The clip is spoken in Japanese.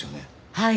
はい。